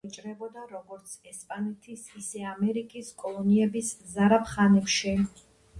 პესო იჭრებოდა როგორც ესპანეთის, ისე ამერიკის კოლონიების ზარაფხანებში.